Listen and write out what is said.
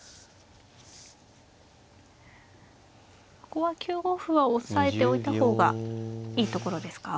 ここは９五歩は押さえておいた方がいいところですか。